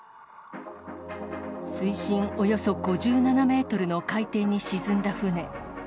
水深およそ５７メートルの海底に沈んだ船。